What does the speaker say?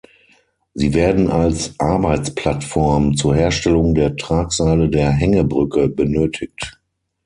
Sie werden als Arbeitsplattform zur Herstellung der Tragseile der Hängebrücke benötigt.